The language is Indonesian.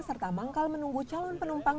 serta manggal menunggu calon penumpang